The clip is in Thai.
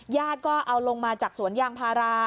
ญาติก็เอาลงมาจากสวนยางพารา